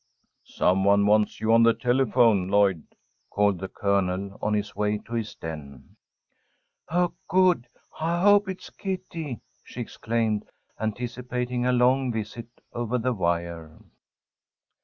"Some one wants you at the telephone, Lloyd," called the Colonel, on his way to his den. "Oh, good! I hope it is Kitty," she exclaimed, anticipating a long visit over the wire.